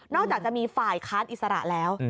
จากจะมีฝ่ายค้านอิสระแล้ว